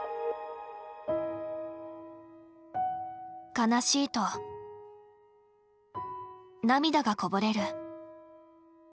悲しいと涙がこぼれる。